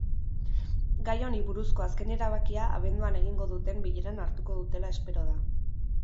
Gai honi buruzko azken erabakia abenduan egingo duten bileran hartuko dutela espero da.